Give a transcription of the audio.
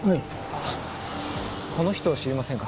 あっこの人知りませんか？